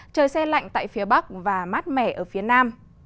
trời xe lạnh tại phía bắc và mát mẻ ở phía nam